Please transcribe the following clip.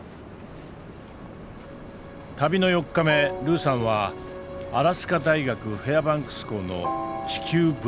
旅の４日目ルーさんはアラスカ大学フェアバンクス校の地球物理学研究所を訪ねた。